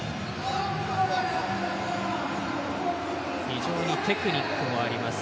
非常にテクニックもあります。